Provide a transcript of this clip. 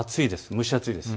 蒸し暑いです。